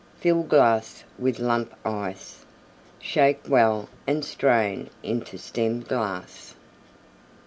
Fill glass with Lump Ice. Shake well and strain into Stem glass.